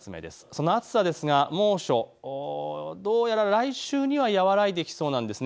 その暑さですが、猛暑、どうやら来週には和らいできそうなんです。